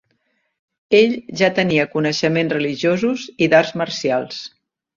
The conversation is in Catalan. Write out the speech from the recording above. Ell ja tenia coneixements religiosos i d"arts marcials.